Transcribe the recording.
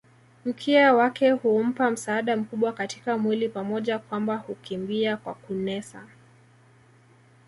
Mkia wake hummpa msaada mkubwa katika mwili pamoja kwamba hukimbia kwa kunesa